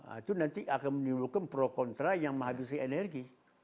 itu nanti akan menimbulkan pro kontra yang menghabisi energi